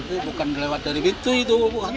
itu bukan lewat dari pintu itu